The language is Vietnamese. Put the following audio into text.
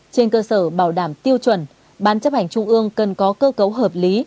trên cơ sở bảo đảm tiêu chuẩn ban chấp hành trung ương cần có cơ cấu hợp lý